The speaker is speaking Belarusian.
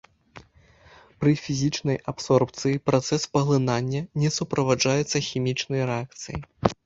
Пры фізічнай абсорбцыі працэс паглынання не суправаджаецца хімічнай рэакцыяй.